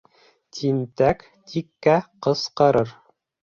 Тинтәк тиккә ҡысҡырыр.